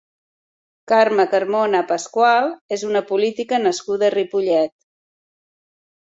Carme Carmona Pascual és una política nascuda a Ripollet.